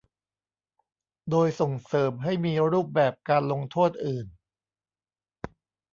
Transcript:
โดยส่งเสริมให้มีรูปแบบการลงโทษอื่น